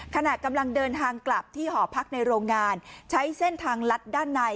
ขณะกำลังเดินทางกลับที่หอพักในโรงงานใช้เส้นทางลัดด้านใน